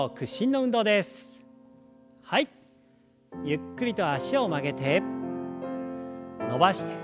ゆっくりと脚を曲げて伸ばして。